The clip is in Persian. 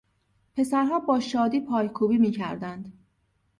پسرها با شادی پایکوبی میکردند.